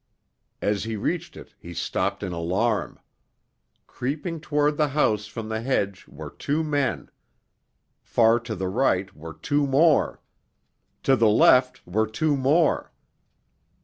As he reached it he stopped in alarm. Creeping toward the house from the hedge were two men. Far to the right were two more. To the left were two more.